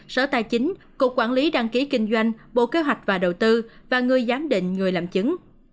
sở tài chính cục quản lý đăng ký kinh doanh bộ kế hoạch và đầu tư và người giám định người làm chứng